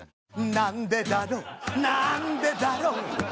「なんでだなんでだろう」